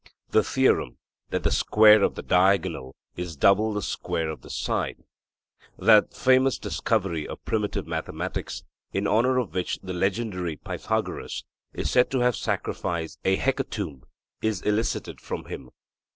The theorem that the square of the diagonal is double the square of the side that famous discovery of primitive mathematics, in honour of which the legendary Pythagoras is said to have sacrificed a hecatomb is elicited from him.